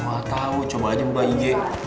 gak tau coba aja mbak ig